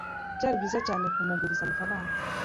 Byari byiza cyane kumuguriza amafaranga.